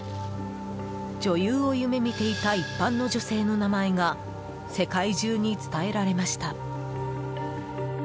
女優を夢見ていた一般の女性の名前が世界中に伝えられました。